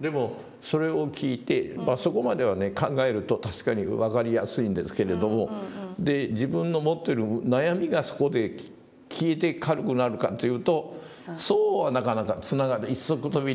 でもそれを聞いてまあそこまではね考えると確かに分かりやすいんですけれども自分の持ってる悩みがそこで消えて軽くなるかというとそうはなかなか一足飛びにはつながらないですね。